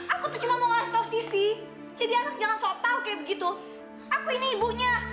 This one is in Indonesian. aku tuh cuma mau kasih tau sisi jadi anak jangan sok tau kayak begitu aku ini ibunya